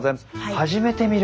初めて見る。